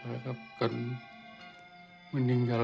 mesih akan memaafkan orang yang bersalah